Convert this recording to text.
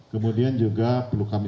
kemudian juga perlu kami